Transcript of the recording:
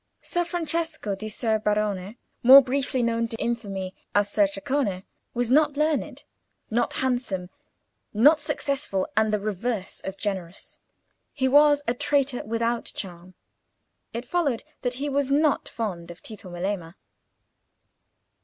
Ser Francesco di Ser Barone, more briefly known to infamy as Ser Ceccone, was not learned, not handsome, not successful, and the reverse of generous. He was a traitor without charm. It followed that he was not fond of Tito Melema.